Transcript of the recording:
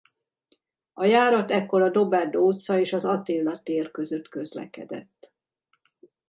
A járat ekkor a Doberdó utca és az Attila tér között közlekedett.